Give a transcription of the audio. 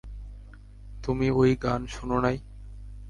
তুমি ওই গান শুনোনাই?